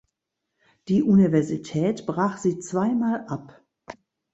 Die Universität brach sie zweimal ab.